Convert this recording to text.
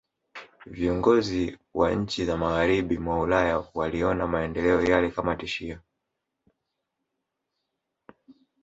Viongozi wa nchi za Magharibi mwa Ulaya waliona maendeleo yale kama tishio